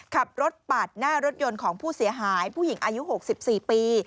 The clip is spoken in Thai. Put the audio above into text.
ขับรถปาดหน้ารถยนต์ของผู้เสียหายผู้หญิงอายุ๖๔ปี